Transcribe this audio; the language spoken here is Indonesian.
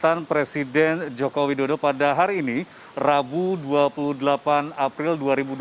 pernyataan presiden joko widodo pada hari ini rabu dua puluh delapan april dua ribu dua puluh